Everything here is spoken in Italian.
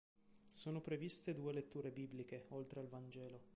Sono previste due letture bibliche oltre al Vangelo.